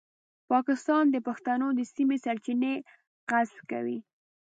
پاکستان د پښتنو د سیمې سرچینې غصب کوي.